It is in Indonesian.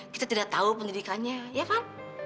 kita tidak tahu pendidikannya ya kan